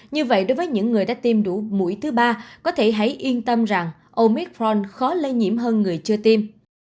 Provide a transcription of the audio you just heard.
như vậy đối với những người đã tiêm đủ mũi thứ ba có thể thấy yên tâm rằng omicron khó lây nhiễm hơn người chưa tiêm